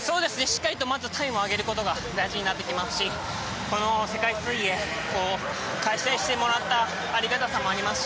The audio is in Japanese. しっかりとまずタイムを上げることが大事になってきますしこの世界水泳、開催してもらったありがたさもあります